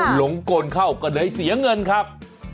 หลงกลเข้าก็เลยเสียเงินครับ